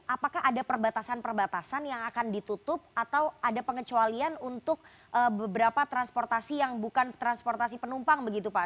apakah ada perbatasan perbatasan yang akan ditutup atau ada pengecualian untuk beberapa transportasi yang bukan transportasi penumpang begitu pak